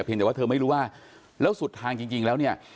แต่ว่าเธอไม่รู้ว่าแล้วสุดทางจริงแล้วเนี่ย